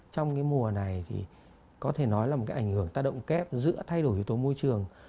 trong cái mùa này thì có thể nói là một cái ảnh hưởng tác động kép giữa thay đổi yếu tố môi trường